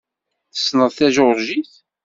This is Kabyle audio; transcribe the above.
Tessneḍ tajuṛjit?